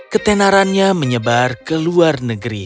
ketenarannya menyebar ke luar negeri